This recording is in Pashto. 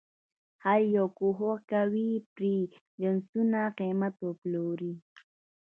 هر یو کوښښ کوي پرې جنسونه قیمته وپلوري.